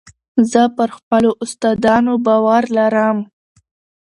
زه پر خپلو استادانو باور لرم.